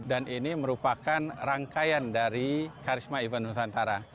dan ini merupakan rangkaian dari karisma event nusantara